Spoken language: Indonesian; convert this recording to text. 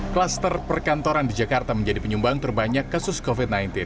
kluster perkantoran di jakarta menjadi penyumbang terbanyak kasus covid sembilan belas